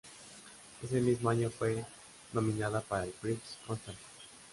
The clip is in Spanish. Ese mismo año fue nominada para el Prix Constantin.